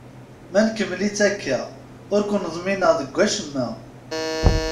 Ma nkemmel-itt akka, ur ken-ḍmineɣ deg wacemma.